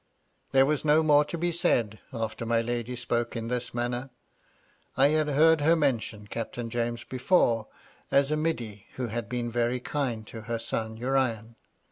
There was no more to be said, after my lady spoke in this manner. I had heard her mention Captain James before, as a middy who had been very kind to her son Urian.